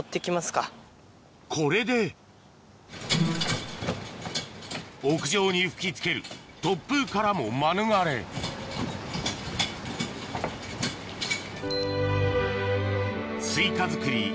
これで屋上に吹き付ける突風からも免れスイカづくり